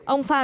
ông pháp nói